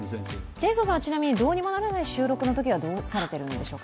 ジェイソンさんはちなみにどうにもならない収録のときはどうされてるんですか？